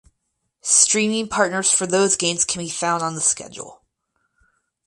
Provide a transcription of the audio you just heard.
Streaming partners for those games can be found on the schedule.